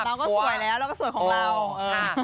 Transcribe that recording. เราก็สวยแล้วเราก็สวยของเราค่ะ